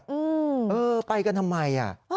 อืมเออไปกันทำไม